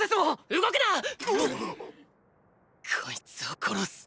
こいつを殺す！